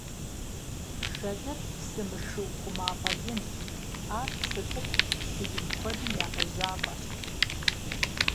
Шэдыр псы мышыу хъумапӀэ инщ, ар псы цӀыкӀу, псы ин куэдым я къежьапӀэщ.